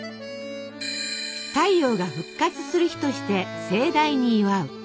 「太陽が復活する日」として盛大に祝う。